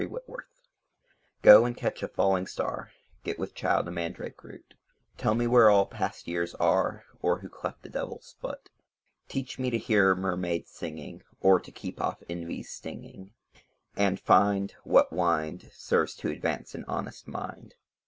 Y Z Song GO and catch a falling star, Get with child a mandrake root, Tell me where all past years are, Or who cleft the devils foot; Teach me to hear mermaids singing, Or to keep off envy's stinging, And find What wind Serves to advance an honest mind.